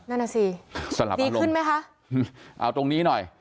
นั่นแหละสิดีขึ้นไหมคะสำหรับอารมณ์เอาตรงนี้หน่อย